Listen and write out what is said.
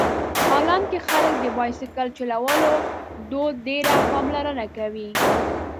هالنډ کې خلک د بایسکل چلولو دود ډېره پاملرنه کوي.